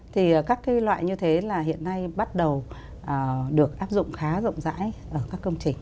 thì các loại như thế hiện nay bắt đầu được áp dụng khá rộng rãi ở các công trình